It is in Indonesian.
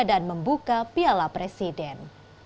dan membuka piala presiden